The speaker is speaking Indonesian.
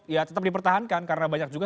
ya tetap dipertahankan karena banyak juga